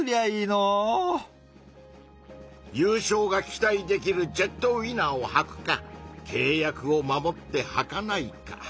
ゆうしょうが期待できるジェットウィナーをはくかけい約を守ってはかないか。